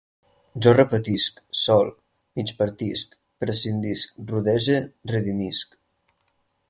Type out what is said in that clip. Jo repetisc, solc, migpartisc, prescindisc, rodege, redimisc